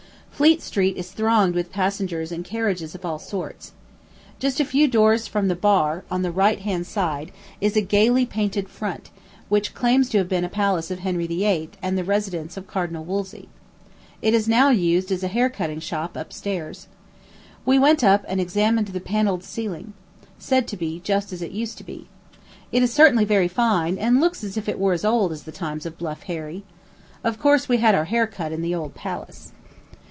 Fleet Street is thronged with passengers and carriages of all sorts. Just a few doors from the bar, on the right hand side, is a gayly painted front, which claims to have been a palace of Henry VIII. and the residence of Cardinal Wolsey. It is now used as a hair cutting shop, up stairs. We went up and examined the panelled ceiling, said to be just as it used to be. It is certainly very fine, and looks as if it were as old as the times of bluff Harry. Of course we had our hair cut in the old palace.